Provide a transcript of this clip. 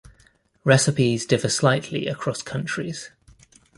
Recipes differ slightly across countries.